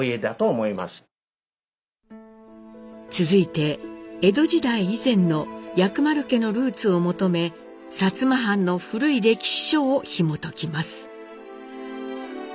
続いて江戸時代以前の薬丸家のルーツを求め薩摩藩の古い歴史書をひもときます。